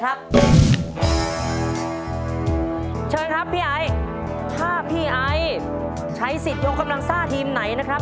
เชิญครับพี่ไอถ้าพี่ไอใช้สิทธิ์ยกกำลังซ่าทีมไหนนะครับ